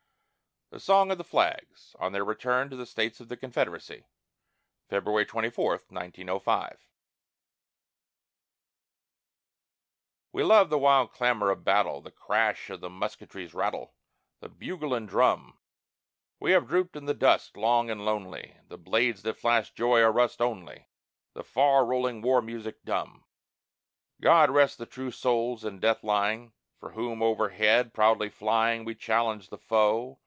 THE SONG OF THE FLAGS ON THEIR RETURN TO THE STATES OF THE CONFEDERACY [February 24, 1905] We loved the wild clamor of battle, The crash of the musketry's rattle, The bugle and drum; We have drooped in the dust, long and lonely; The blades that flashed joy are rust only, The far rolling war music dumb. God rest the true souls in death lying, For whom overhead proudly flying We challenged the foe.